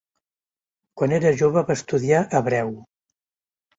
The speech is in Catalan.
Quan era jove va estudiar hebreu.